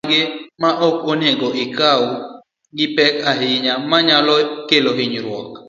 gin weche mage ma ok onego okaw gi pek ahinya, manyalo kelo hinyruok